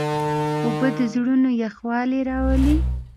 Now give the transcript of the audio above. اوبه د زړونو یخوالی راولي.